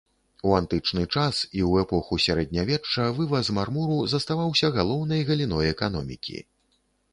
У антычны час і ў эпоху сярэднявечча вываз мармуру заставаўся галоўнай галіной эканомікі.